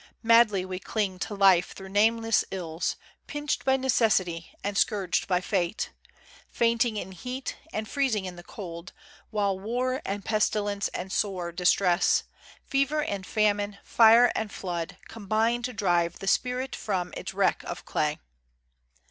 Madly we cling to life through nameless ills, Pinched by necessity, and scourged by fate, Fainting in heat and freezing in the cold, While war, and pestilence, and sore distress, Fever and famine, fire and flood, combine To drive the spirit from its wreck of clay.